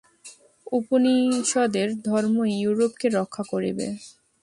উপনিষদের ধর্মই ইউরোপকে রক্ষা করিবে।